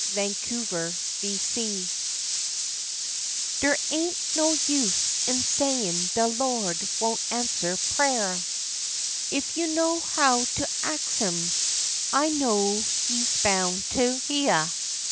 ANSWER TO PRAYER Der ain't no use in sayin' de Lawd won't answer prah; If you knows how to ax Him, I knows He's bound to heah.